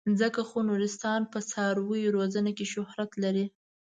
ځکه خو نورستان په څارویو روزنه کې شهرت لري.